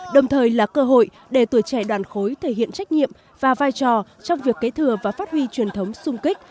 đồng thời là cơ hội để tuổi trẻ đoàn khối thể hiện trách nhiệm và vai trò trong việc kế thừa và phát huy truyền thống sung kích